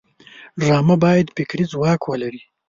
ډرامه باید فکري ځواک ولري